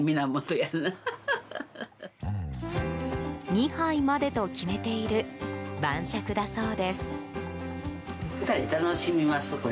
２杯までと決めている晩酌だそうです。